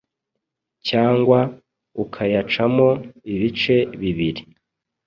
cyangwa ukayacamo ibice bibiri.